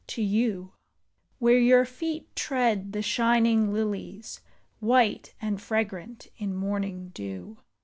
to you, Where your feet tread the shining lihes, White and fragrant in morning dew.